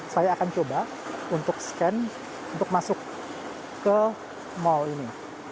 saya akan coba untuk scan untuk masuk ke mall ini